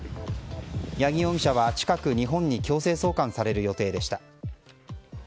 八木容疑者は近く日本に強制送還される予定でした。